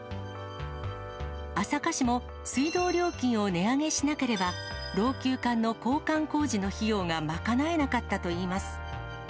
朝霞市も水道料金を値上げしなければ、老朽管の交換工事の費用が賄えなかったといいます。